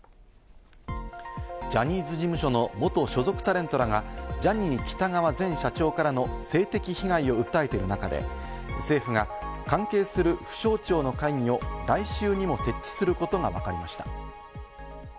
ジャニーズ事務所の元所属タレントらがジャニー喜多川前社長からの性的被害を訴えている中で、政府が関係する府省庁の会議を来週にも設置することがわかりました。